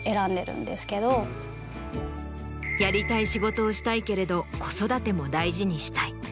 やりたい仕事をしたいけれど子育ても大事にしたい。